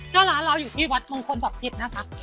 ก็ร้านเราอยู่ที่วัดมงคลศักดิ์พิษนะคะ